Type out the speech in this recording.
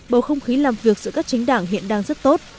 bầu không khí làm việc giữa các chính đảng hiện đang rất tốt